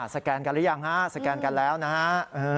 สแกนกันหรือยังฮะสแกนกันแล้วนะฮะ